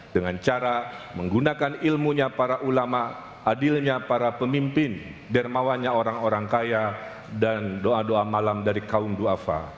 dengan cara menggunakan ilmunya para ulama adilnya para pemimpin dermawannya orang orang kaya dan doa doa malam dari kaum ⁇ duafa ⁇